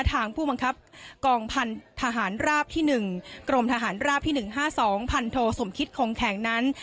ผู้บังคับกองพันธหารราบที่๑กรมทหารราบที่๑๕๒พันโทสมคิตคงแข็งนั้น